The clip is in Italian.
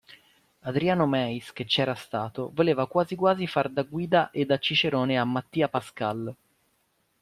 Adriano Meis, che c'era stato, voleva quasi quasi far da guida e da cicerone a Mattia Pascal.